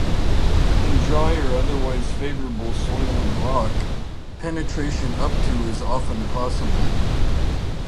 In dry or otherwise favorable soil and rock, penetration up to is often possible.